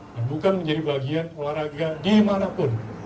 dan bukan menjadi bagian olahraga dimanapun